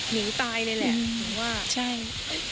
หนีตายเลยแหละ